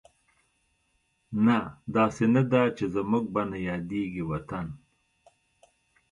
نه، داسې نه ده چې زموږ به نه یادېږي وطن